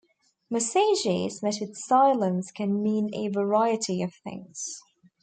Messages met with silence can mean a variety of things.